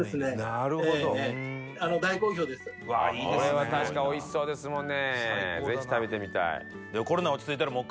「これは確かにおいしそうですもんね」